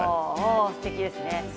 すてきですね。